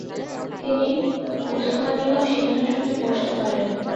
তিনি উসমানীয় সিংহাসনে বসতে পারেন।